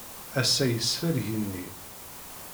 Ass-a yesfa Igenni.